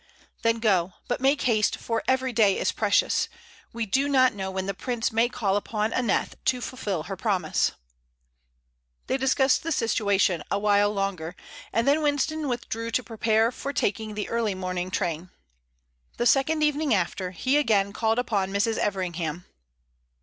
"Then go; but make haste, for every day is precious. We do not know when the prince may call upon Aneth to fulfil her promise." They discussed the situation a while longer, and then Winston withdrew to prepare for taking the early morning train. The second evening after, he again called upon Mrs. Everingham.